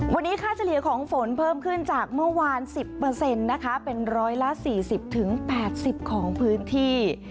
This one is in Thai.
วันนี้ค่าเฉลี่ยของฝนเพิ่มขึ้นจากเมื่อวาน๑๐นะคะเป็นร้อยละ๔๐๘๐ของพื้นที่